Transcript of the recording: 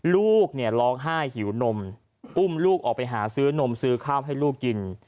ลูกเนี่ยร้องไห้หิวนมอุ้มลูกออกไปหาซื้อนมซื้อข้าวให้ลูกกิน